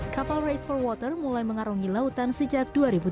kapal race for water mulai mengarungi lautan sejak dua ribu tujuh belas